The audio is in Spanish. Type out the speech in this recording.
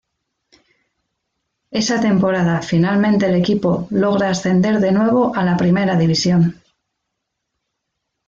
Esa temporada finalmente el equipo logra ascender de nuevo a la Primera División.